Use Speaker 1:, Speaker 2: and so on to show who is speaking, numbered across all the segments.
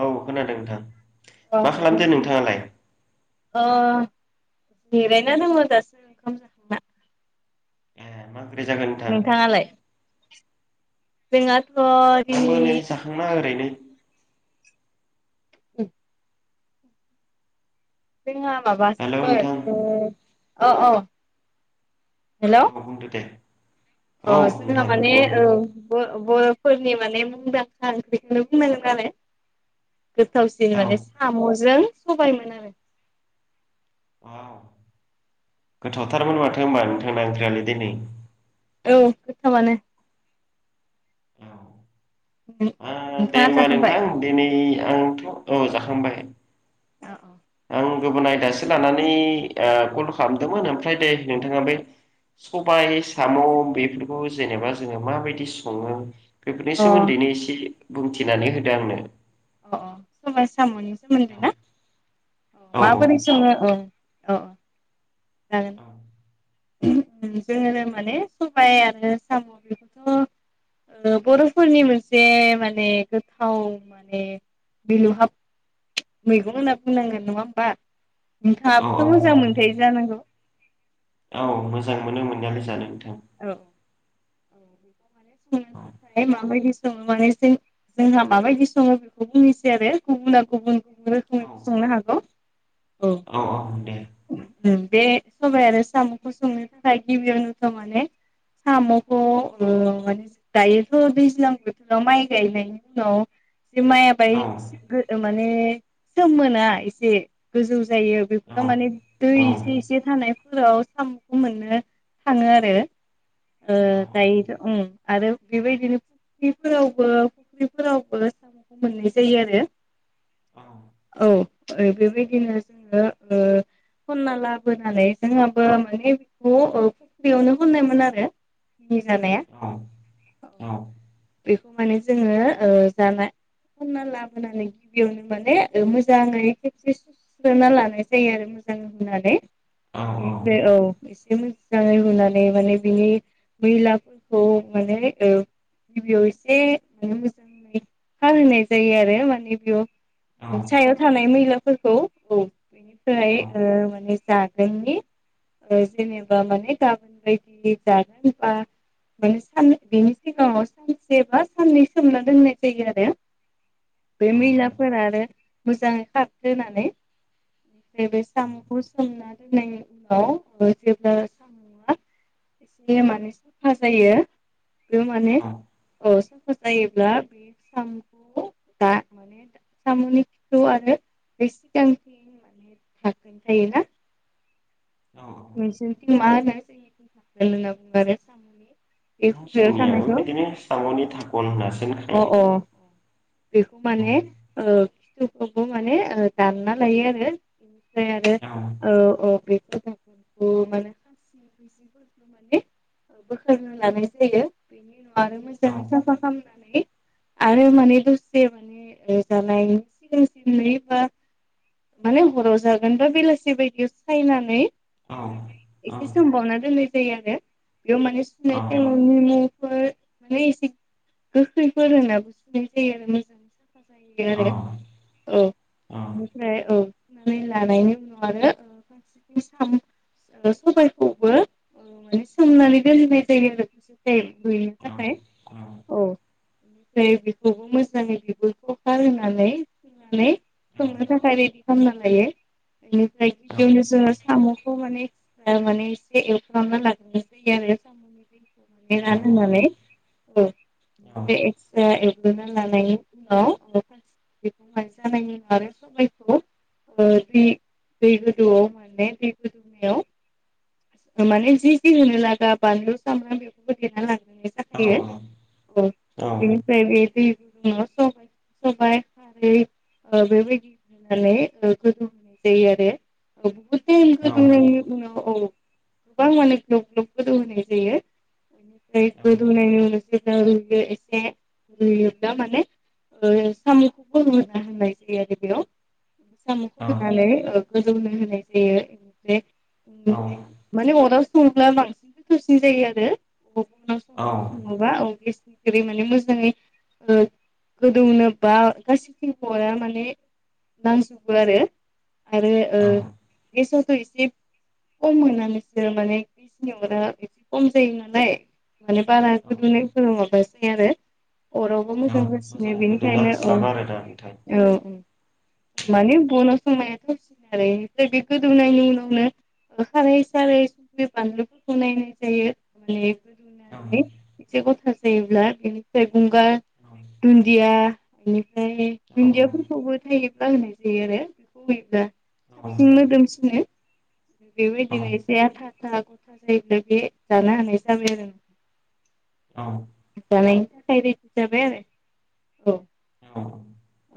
Speaker 1: औ खोनादों नोंथां
Speaker 2: औ
Speaker 1: मा खालामदो
Speaker 2: नोंथां
Speaker 1: नोंथाङालाय?
Speaker 2: अ जिरायना दङ' दासो ओंखाम जाखांना।
Speaker 1: ए मा ओंख्रि जाखो नोंथां?
Speaker 2: नोंथाङालाय [unintelligible] [inaudible]
Speaker 1: आंबो नै
Speaker 2: दिनै
Speaker 1: जाखांना ओरैनो
Speaker 2: [unintelligible] [inaudible] जोंहा
Speaker 1: हेल' नोंथां
Speaker 2: माबासोमोन ओ अ-अ।
Speaker 1: औ बुंदो दे? औ
Speaker 2: अ जोंहा
Speaker 1: नोंथां
Speaker 2: माने
Speaker 1: बुं
Speaker 2: ओ बो-बो फोरनि माने मुंदांखा बेखौनो बुंनांगोन आरो। गोथावसिन
Speaker 1: औ
Speaker 2: माने साम'जों सबायमोन आरो।
Speaker 1: औ गोथावथारमोन माथो होनबा नोंथांना ओंख्रियालाय दिनै?
Speaker 2: औ गोथावानो।
Speaker 1: आ दे
Speaker 2: नोंथाङा
Speaker 1: होमबा
Speaker 2: जाखांबाय
Speaker 1: नोंथां दिनै आंथ' औ जाखांबाय।
Speaker 2: अ-अ।
Speaker 1: खौ गुबुन आयदासो लानानै ओ कल खालामदोंमोन ओमफ्राय दे नोंथाङा बे सबाय साम' बेफोरखौ जेनेबा जोङो माबायदि सङो? बेफोरनि
Speaker 2: अ
Speaker 1: सोमोन्दैनो एसे बुंथिनानै होदो आंनो?
Speaker 2: अ-अ समाय साम'नि सोमोन्दै
Speaker 1: औ
Speaker 2: ना औ माबोरै सङो ओ अ जागोन [unintelligible] जोङो माने सबाय आरो साम' [unintelligible] ओ बर'फोरनि मोनसे माने गोथाव माने मिलुहाब मैगं होनना बुंनांगोन नङा होमबा
Speaker 1: औ औ
Speaker 2: नोंथाबोथ' मोजां
Speaker 1: नंगौ
Speaker 2: मोनथायायो
Speaker 1: नोंथां
Speaker 2: जानांगौ
Speaker 1: औ मोजां मोनो मोननायालाय जानो नोंथां
Speaker 2: औ [unintelligible] [unintelligible] जोंहा माबायदि सङो बेखौ बुंनोसै आरो गुबुन गुबुन
Speaker 1: औ
Speaker 2: रोखोमै संनो हागौ
Speaker 1: औ औ दे
Speaker 2: बे सबाय आरो साम'खौ संनो थाखाय गिबियावनोथ' माने साम'खौ माने दायोथ' दैज्लां बोथोराव माइ गायनायनि उनाव माइआ
Speaker 1: औ
Speaker 2: बाहाय माने सोमोना एसे गोजौ जायो
Speaker 1: औ
Speaker 2: बेफोराव माने दै
Speaker 1: औ
Speaker 2: एसे एसे थानाय फोराव साम'खौ मोननो थाङो आरो
Speaker 1: औ
Speaker 2: दायो उम आरो बेबायदिनो फुख्रिफोरावबो फुख्रिफोरावबो साम'खौ मोननाय जायो आरो औ बेबायदिनो जोङो ओ खनना लाबोनानै जोंहाबो माने बेखौ फुख्रियावनो [inaudible] बेखौ माने जोङो जाना खनना लाबोनानै गिबियावनो माने मोजाङै खेबसे सुस्रोना लानाय जायो आरो मो [inaudible] माने बिनि मैलाफोरखौ माने ओ [unintelligible]
Speaker 1: औ
Speaker 2: सायाव थानाय मैलाफोरखौ औ बेनिफ्राय ओ माने जागोननि जेनेबा माने गाबोन बायदि जागोन बा माने सान बिनि सिगाङाव सानसे बा साननै सोमना दोननाय जायो आरो बे मैलाफोरा आरो मोजाङै खारथो होनानै [inaudible] एसे माने साफा जायो बेयाव माने औ सा फा जायोब्ला बे सामुखौ [inaudible] [inaudible] [inaudible] खुगायाव थानायखौ अ अ
Speaker 1: [inaudible]
Speaker 2: बेखौ
Speaker 1: औ
Speaker 2: माने खिथुफ्रावबो माने दानना लायो आरो
Speaker 1: औ
Speaker 2: [inaudible] बोखारना लानाय जायो बेनि उनाव आरो
Speaker 1: औ
Speaker 2: मोजाङै साफा खालामनानै आरो माने दसे माने जानायनि सिगां सिन नै बा माने हराव जागोन बा बेलासि बायदियाव सायनानै
Speaker 1: औ औ
Speaker 2: एसे सोंबावना दोननाय जायो आरो बेयाव माने सुनाय टाइमाव नि मु माने एसे गोखैफोर होना सुनाय जायो आरो मोजां साफा जायो आरो औ बेनिफ्राय औ [unintelligible] [inaudible] बेनिफ्राय बेखौबो मोजाङै बिगुरखौ गारहोनानै नानै संनो थाखाय रेडि खालामना लायो बेनिफ्राय गिबियावनो जोङो साम'खौ माने [inaudible] [inaudible] [inaudible] दै दै गोदैआव माने दै गोदौनायाव माने जि जि होनो लागा बानलु सामब्राम बेखौबो देना लाना
Speaker 1: औ
Speaker 2: जाखायो औ बेनिफ्राय बे दै गुदुंङाव सबाय सबाय खारै ओ बेबायदि होनानै गोदौ होनाय जायो आरो बुहुद
Speaker 1: औ औ
Speaker 2: गोबां माने ग्लब ग्लब गोदौ होनाय जायो ओमफाय गोदौनायनि उनाव जोंङो एसे रुयोब्ला माने साम'खौबो होनो होननाय जायो आरो बेयाव साम'खौ
Speaker 1: औ
Speaker 2: होनालाय गोदोवनो होनाय जायो
Speaker 1: औ
Speaker 2: बेनिफ्राय माने अनाव सङोला बांसिन साबसिन जायो
Speaker 1: औ
Speaker 2: आरो [unintelligible] गोदौनो बा गासैबो हरा माने नांजोबो आरो आरो ओ
Speaker 1: औ
Speaker 2: गेसावथ' एसे खम मोना बिसोरो माने बिसनि अरा एसे खम जायो नालाय माने बारा गोरैनाय फोर माबा जाया आरो अरावबो
Speaker 1: औ मोजां
Speaker 2: मोजगासिनो
Speaker 1: गोदोनो
Speaker 2: बेनिखायनो औ
Speaker 1: हास्लाबा आरो दा नोंथां
Speaker 2: औ औ माने बन'संनायायाथ'सिन आरो ओमफ्राय बे गोदौनायनि उनावनो खारै सारै संख्रि बानलुफोरखौ नायनाय जायो
Speaker 1: औ
Speaker 2: माने [unintelligible] एसे गथा जायोब्ला बेनिफ्राय गंगार दुन्दिया बेनिफ्राय
Speaker 1: औ
Speaker 2: दुन्दियाफोरखौबो थायोब्ला होनाय जायो आरो बेखौ होयोब्ला साबसिन मोदोमसिनो
Speaker 1: औ
Speaker 2: बेबायदिनो एसे आथा आथा गथा जायोब्ला बे जानो हानाय जाबाय आरो [inaudible]
Speaker 1: औ
Speaker 2: जानायदि थाखाय रेदि जाबाय आरो अ
Speaker 1: औ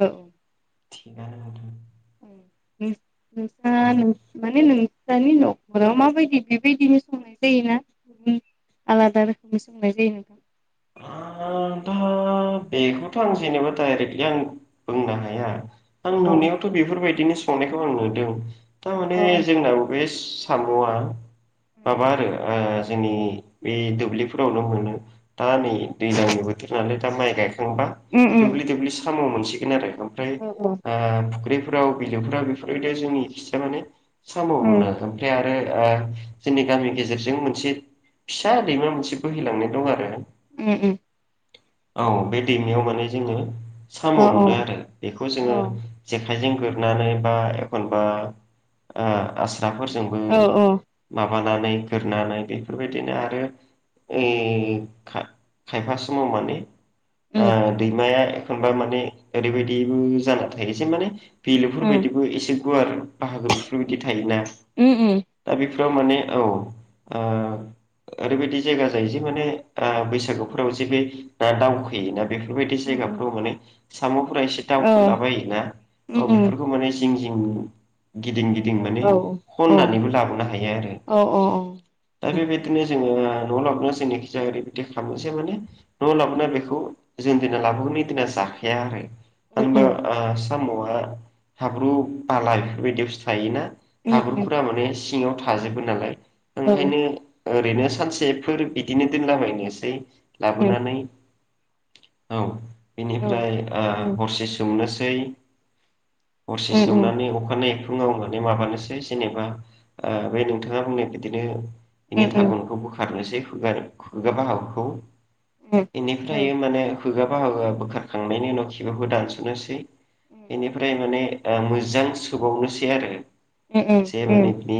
Speaker 2: औ
Speaker 1: थिगानो नोंथां
Speaker 2: [unintelligible] नोंसा
Speaker 1: ओं
Speaker 2: माने नोंसानि न'खराव माबायदि बेबायदिनो संनाय जायोना? आलादा रोखोमनि सोंनाय जायो नोंथां
Speaker 1: आ बेखौथ' आं जेनेबा डाइरेक्टलि आं बुंनो हाया आं
Speaker 2: अ
Speaker 1: नुनायावथ' बेफोरबायदिनो संनायखौ आं नुदों थारमाने
Speaker 2: अ
Speaker 1: जोंन बे साम'आ माबा आरो ओ जोंनि बे दुब्लिफोरावनो मोनो दा नै दैजलांनि बोथोर नालाय दा माइ गाय गायखांबा
Speaker 2: उम उम
Speaker 1: दुब्लि दुब्लि साम' मोनसिगोन आरो ओमफ्राय ओ फुख्रि फ्राव बिलोफ्राव बेफोरबायदियाव जोंनि खिथिजा माने साम'
Speaker 2: उम
Speaker 1: मोनो ओमफ्राय आरो ओ जोंनि गामि गेजेरजों मोनसे फिसा दैमा मोनसे बोहैलांनाय दं आरो
Speaker 2: उम उम
Speaker 1: औ बे दैमायाव माने जोङो साम'
Speaker 2: अ
Speaker 1: मोनो
Speaker 2: औ
Speaker 1: आरो बेखौ
Speaker 2: औ
Speaker 1: जोङो जेखा इजों गुरनानै बा एखनबा ओ फाजसाफोरजोंबो माबानानै गोरोननानै बेफोरबायदिनो आरो ओय खायफा समाव माने ओ
Speaker 2: उम
Speaker 1: दैमाया एखनबा माने ओरैबायदिबो जाना थायोसे माने
Speaker 2: उम
Speaker 1: बेलुफोरबायायदिबो एसे गुवार बाहागो बेफोरबायदि थायोना
Speaker 2: उम
Speaker 1: दा बे बे माने औ ओ ओरैबायदि जायगा जायो जे माने ओ बैसागुफोराव जे बे ना दाउ बेफोरबायदि जायगाफ्राव माने मामु फुरा एसे
Speaker 2: औ
Speaker 1: दावउखलाबायायोना
Speaker 2: उम
Speaker 1: औ
Speaker 2: उम
Speaker 1: बेफोरखौ माने जिं जिं गिदिं गिदिं माने
Speaker 2: औ औ
Speaker 1: खननानैबो लाबोनो हायो आरो
Speaker 2: औ औ
Speaker 1: दा
Speaker 2: उम
Speaker 1: बेबायदिनो जोङो न' लाबनो जोंनिखि जाया ओरैबायदि खालामो जे माने न' लाबनो बे जे दिना लाबोगोन बे दिना जाखाया आरो
Speaker 2: उम
Speaker 1: होनबा
Speaker 2: उम
Speaker 1: ओ साम'आ हाब्रु बाला ऐफोरबादि बुसथु थायोना
Speaker 2: उम
Speaker 1: हाब्रुफोरा माने सिङाव थाजोबो नालाय
Speaker 2: उम
Speaker 1: ओंखायनो ओरैनो सानसेफोर बिदिनो दोनलाबायनोसै
Speaker 2: उम
Speaker 1: लाबोनानै औ बेनिफ्राय ओ हरसे सोमनोसै हरसे
Speaker 2: उम
Speaker 1: सोमनानै अखानायै फुङाव माने माबानोसै जेनेबा ओ बे नोंथाङा बुंनाय बिदिनो बेनि थागनखौ बोखारनोसै खु खुगा बाहागुखौ
Speaker 2: उम
Speaker 1: बेनि थायो माने खुगा बाहागोआ बोखारखांनायनि उनाव खिबुखौ दानस'नोसै बेनिफ्राय माने ओ मोजां सोबावनोसै आरो
Speaker 2: उम
Speaker 1: से
Speaker 2: उम
Speaker 1: माने बिनि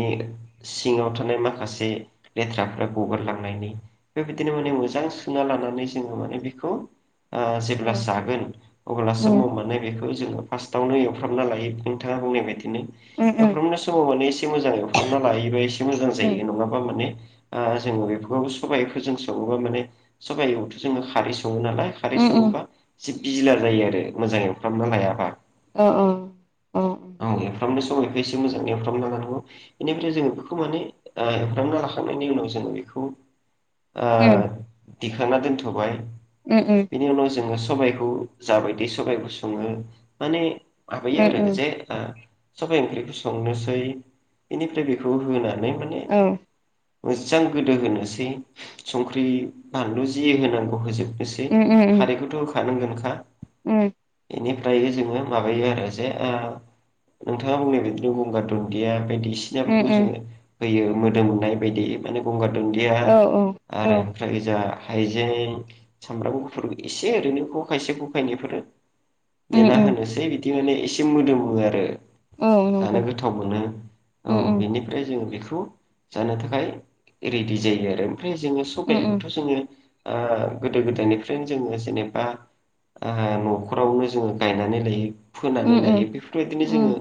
Speaker 1: सिङाव थानाय माखासे लेथ्राफोरा गगारलांनायनि बेबायदिनो माने मोजां सुना ला माने जोङो माने बिखौ ओ
Speaker 2: औ
Speaker 1: जेब्ला जागोन अब्लासो म
Speaker 2: उम
Speaker 1: माने बिखौ जों जोङो फासथआवनो एवफ्रामना लायो नोंथाङा बुंनाय बादिनो
Speaker 2: उम उम
Speaker 1: एवफ्रामनाय समाव माने एसे एसे मोजां एवफ्रामना लायोबा एसे मोजां
Speaker 2: उम
Speaker 1: जायो नङाबा माने ओ जोङो बेफोरखौ सबाइफोरजों सङोबा माने सबाइआवथ' जों खारै सङो नालाय खारै
Speaker 2: उम उम
Speaker 1: सङोबा एसे बिजलार जायो आरो मोजां एवफ्रामना लायाबा।
Speaker 2: अ अ अ
Speaker 1: सबायखौ एसे मोजाङै एवफ्रामना लानांगौ बेनिफ्राय जोङो बेखौ माने ओ एवफ्रामना लाखांनायनि उनाव जोङो बेखौ [unintelligible] ओ
Speaker 2: उम
Speaker 1: दिखांना दोनथ'बाय
Speaker 2: उम
Speaker 1: बिनि उनाव जोङो सबाइखौ जाबायदि सबाइखौ सङो माने माबायो आरो
Speaker 2: उम
Speaker 1: जे ओ सबाय ओंख्रिखौ संनोसै बेनिफ्राय बेखौ होनानै माने
Speaker 2: औ उम
Speaker 1: मोजां गोदो होनोसै संख्रि बानलु जि होनांगौ होजोब एसे
Speaker 2: उम उम
Speaker 1: खारैखौथ' होखानांगोनखा
Speaker 2: उम
Speaker 1: बेनिफ्राय जोङो माबायो आरो जे ओ नोंथाङा बुंनाय बिदिनो गंगार दुन्दिया बायदिसिनाफोरखौ जोङो
Speaker 2: उम
Speaker 1: होयो मोदोमनाय बादि माने गंगार दुन्दिया
Speaker 2: औ औ
Speaker 1: आरो
Speaker 2: उम
Speaker 1: ओमफ्राय जा हाइजें सामब्राम गुफुर एसे ओरैनो खखायसे गखायनैफोर देना
Speaker 2: उम
Speaker 1: होनोसै बिदि माने एसे मोदोमो आरो
Speaker 2: औ
Speaker 1: जानो
Speaker 2: नंगौ
Speaker 1: गोथाव मोनो औ
Speaker 2: उम उम
Speaker 1: बेनिफ्राय जों बेखौ जानो थाखाय रेडि जायो आरो ओमफ्राय जोङो
Speaker 2: उम
Speaker 1: सबायाबोथ' जोङो ओ गोदो गोदायनिफ्रायनो जोङो जेनेबा ओ न'खरावनो जोङो गायनानै लायो फोनानै
Speaker 2: उम उम
Speaker 1: लायो बेफोरबायदिनो जोङो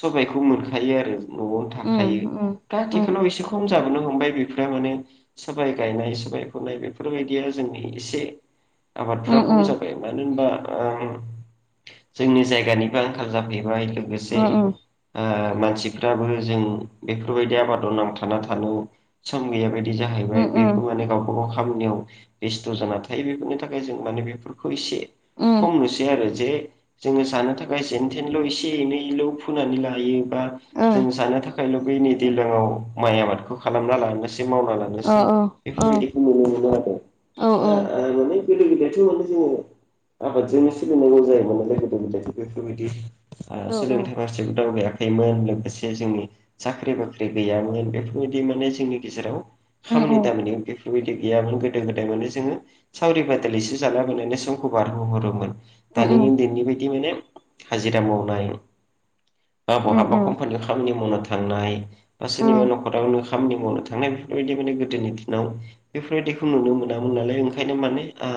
Speaker 1: सबायखौ मोनखायो आरो न'आवनो
Speaker 2: उम
Speaker 1: थाखायो
Speaker 2: उम
Speaker 1: दा
Speaker 2: उम उम
Speaker 1: आथिखालाव एसे खम जाबोनो हमबाय बिफोरो माने सबाय गायनाय सबाय फुनाय बेफोरबायदिया जोंनि एसे आबादफोरा
Speaker 2: उम
Speaker 1: खम
Speaker 2: उम
Speaker 1: जाबाय मानो होनबा ओ- जोंनि जायगानिबो आंखाल जाफैबाय लोगोसे ओ मानसिफ्राबो जों बेफोरबायदि आबादाव नांथाना थानो सम गैयाबायदि बे
Speaker 2: उम
Speaker 1: जाहैबाय बेखौ
Speaker 2: उम
Speaker 1: माने गावबा गाव खामानिआव बेस्थ जाना थायो बेफोरनि थाखाय जों माने बेफोरखौ एसे
Speaker 2: उम
Speaker 1: खमनोसै आरो जे जोङो जानो थाखाय जेन थेनल' एसे एनैल' फोनानै लाहैयो बा
Speaker 2: ओं
Speaker 1: जोङो जानो थाखाय [unintelligible] दैलाङाव माइ आबादखौ खालामना लानोसै ए मावना
Speaker 2: अ औ
Speaker 1: लानोसै बेफोरबायदिखौ नुनो मोनो आरो दा
Speaker 2: औ-औ
Speaker 1: माने गोदो गोदायथ' जोङो आबादजोंनो सोलिनांगौ जायोमोन नालाय गोदो गोदायथ' बेफोरबायदि आ
Speaker 2: औ
Speaker 1: सोलोंथाइ फारसेबो दावगाया थायोमोन। लोगोसे जोंनि साख्रि बाख्रि गैयामोन बेफोरबायदि माने जोंनि गेजेराव
Speaker 2: उम
Speaker 1: खामानि
Speaker 2: उम
Speaker 1: दामानि बेफोरबायदि गैयामोन गोदो गोदाय माने जोङो सावरि बादालिसो जालाबायनानै समखौ बारहोहरोमोन।
Speaker 2: उम
Speaker 1: दानि उन्दैनि बायदि माने हाजिरा मावनाय बा
Speaker 2: उम उम
Speaker 1: बहाबा कम्पानियाव खामानि मावनो थांनाय बा सोरनिबा न'खरावनो खामानि मावनो थांनाय बेफोरबायदि माने गोदोनि दिनाव बेफोरबायदिखौ नुनो मोना मोन नालाय ओंखायनो माने आ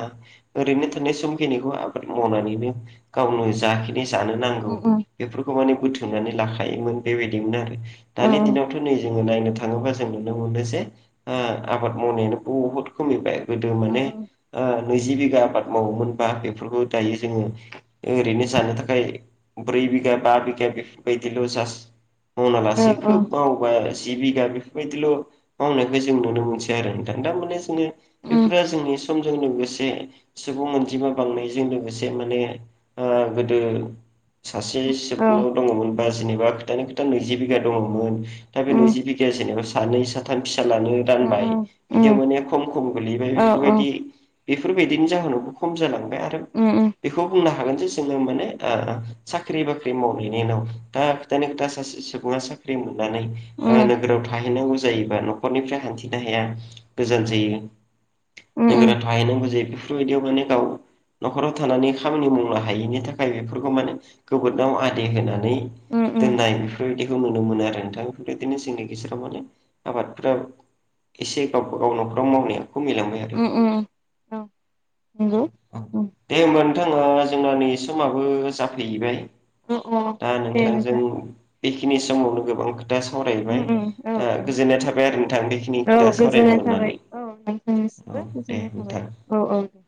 Speaker 1: ओरैनो थानाय समखिनिखौ आबाद मावनानैनो गावनो जाखिनि जानो नांगौ
Speaker 2: उम उम
Speaker 1: बेफोरखौ माने बोथोमनानै लाखायोमोन बेबायदिमोन आरो। दानि
Speaker 2: उम
Speaker 1: दिनावथ' नै जों ङो नायनो थाङोबा जों नुनो मोनो जे ओ आबाद मावनायानो बुहुद खमिबाय। गोदो
Speaker 2: उम
Speaker 1: माने
Speaker 2: उम
Speaker 1: ओ नैजि बिगा आबाद मावोमोनबा बेफोरखौ दायो जोङो ओरैनो जानो थाखाय ब्रै बिगा बा बिगा बेफोरबायदिल' जास मावना लासेै खोब मावोबा आरो। जि बिगा बेफोरबायदिल' मावनायखो जों नुनो मोनसै आरो नोंथां। दा माने जोङो
Speaker 2: उम
Speaker 1: बेफोरो जोंनि समजों लोगोसे सुबुं अनजिमा बांनायजों लोगोसे माने आ गोदो सासे
Speaker 2: औ
Speaker 1: सिबनाव दङमोन बा जेनेबा खोथानि खोथा नैजि बिगा दङमोन। दा बे
Speaker 2: उम
Speaker 1: नैजि बिगाया जेनेबा सानै साथाम फिसालानो
Speaker 2: उम
Speaker 1: रानबाय। इदियाव
Speaker 2: उम
Speaker 1: माने खम खम गोलैबाय
Speaker 2: औ औ
Speaker 1: बेफोरबायदि बेफोरबायदिनि जाहोनावबो खम जालांबाय आरो
Speaker 2: उम उम
Speaker 1: बेखौ बुंनो हा हागोन जे जोङो माने ओ साख्रि बाख्रि मावनायनि उनाव दा खोथानि खोथा सासे सुबुङा साख्रि मोन नानै
Speaker 2: उम
Speaker 1: नोगोराव थाहैनांगौ जायोबा न'खरनिफ्राय हान्थिनो हाया, गोजान जायो। नोगोरा
Speaker 2: उम
Speaker 1: थाहैनांगौ जायो बेफोरबायदियाव माने गाव न'खराव थानानै खामानि मावनो हायिनि थाखाय बेफोरखौ माने गोबोदनाव आदि होना नै
Speaker 2: उम
Speaker 1: दोननाय बेफोरबायदि खौ नुनो मोनो आरो नोंथां। बेफोरबायदिनो जोंनि गेजेराव माने आबादफोरा एसे गावबा गाव न'खराव मावनाया खमिलांबाय आरो।
Speaker 2: उम औ
Speaker 1: दे होमबा नो थां ओ जोंना नै समाबो जाफैहैबाय दा नोंथांजों बेखिनि समावनो गोबां खोथा सावरायबाय
Speaker 2: औ
Speaker 1: दा गोजोननाय थाबाय आरो नोंथां बेखिनि खोथा सावरायनो मोननानै। औ
Speaker 2: नोंनिसिमबो
Speaker 1: दे
Speaker 2: गोजोननाय थाबाय
Speaker 1: नोंथां
Speaker 2: औ औ दे।